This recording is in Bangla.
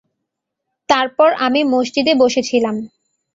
তারপর আমি মসজিদে বসেছিলাম।